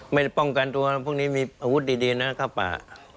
ป้องกันตัวพวกนี้มีอาวุธดีนะเข้าป่า